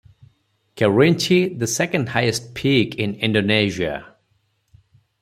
Kerinci, the second highest peak in Indonesia.